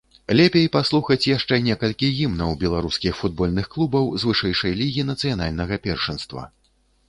Лепей паслухаць яшчэ некалькі гімнаў беларускіх футбольных клубаў з вышэйшай лігі нацыянальнага першынства.